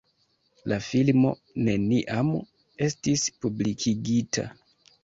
La filmo neniam estis publikigita.